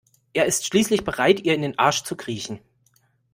Er ist schließlich bereit ihr in den Arsch zu kriechen.